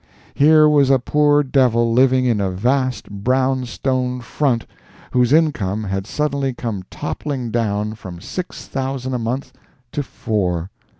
Here was a poor devil living in a vast brownstone front, whose income had suddenly come toppling down from six thousand a month to four.